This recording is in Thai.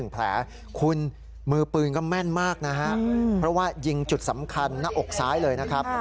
เพราะว่ายิงจุดสำคัญหน้าอกซ้ายเลยนะครับ